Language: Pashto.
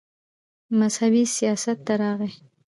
مذهبي سياست ته راغے